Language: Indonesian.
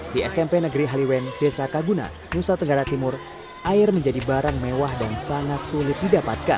di smp negeri haliwen desa kaguna nusa tenggara timur air menjadi barang mewah dan sangat sulit didapatkan